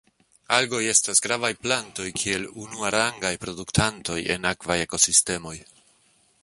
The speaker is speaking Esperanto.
Algoj estas gravaj plantoj kiel unuarangaj produktantoj en akvaj ekosistemoj.